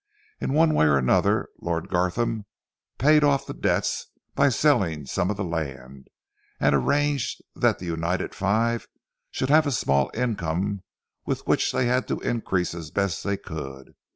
In one way and another, Lord Gartham paid off the debts by selling some of the land, and arranged that the united five should have a small income which they would have to increase as best they could.